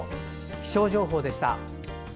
気象情報でした。